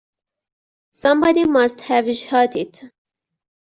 Somebody must have shut it.